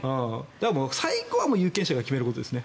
最後は有権者が決めることですね。